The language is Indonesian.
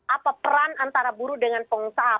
apa peran antara buruh dengan pengusaha